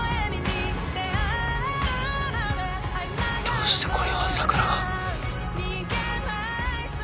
どうしてこれを朝倉が？